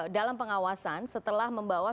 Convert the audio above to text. dalam pengawasan setelah membawa